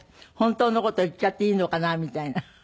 本当の事言っちゃっていいのかなみたいな。